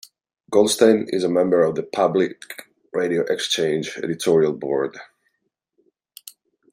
Goldstein is a member of the Public Radio Exchange editorial board.